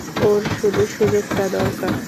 ওর শুধু সুযোগটা দরকার।